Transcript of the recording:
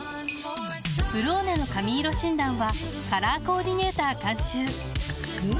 「ブローネ」の髪色診断はカラーコーディネーター監修おっ！